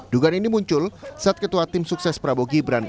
dugaan ini muncul saat ketua tim sukses prabowo gibran